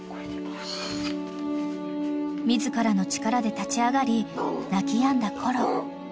［自らの力で立ち上がり鳴きやんだコロ］